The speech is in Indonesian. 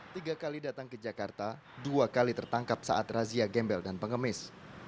tiga kali datang ke jakarta dua kali tertangkap saat razia gembel dan pengemis